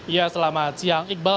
ya selamat siang iqbal